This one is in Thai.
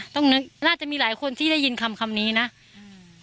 ต้องนึกน่าจะมีหลายคนที่ได้ยินคำคำนี้นะอืม